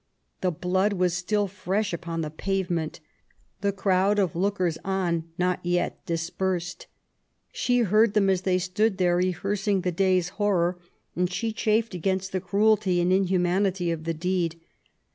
The blood was still fresh upon the pavement ; the crowd of lookers on not yet dispersed. She heard them as they stood there rehearsing the day's horror, and she chafed against the cruelty and inhumanity of the deed.